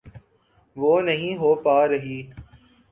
وہ نہیں ہو پا رہی۔